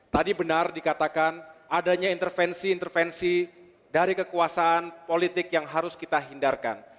tadi benar dikatakan adanya intervensi intervensi dari kekuasaan politik yang harus kita hindarkan